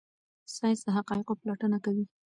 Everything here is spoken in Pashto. ساینس د حقایقو پلټنه کوي.